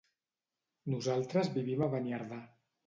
Nosaltres vivim a Beniardà.